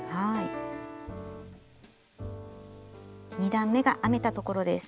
２段めが編めたところです。